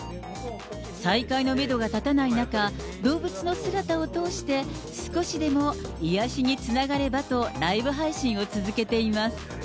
再開のメドが立たない中、動物の姿を通して、少しでも癒やしにつながればと、ライブ配信を続けています。